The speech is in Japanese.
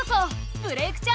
「ブレイクッ！